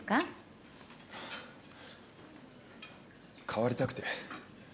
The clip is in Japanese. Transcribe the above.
変わりたくて。